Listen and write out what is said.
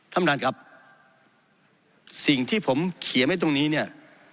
ท่านประธานครับสิ่งที่ผมเขียนไว้ตรงนี้เนี่ย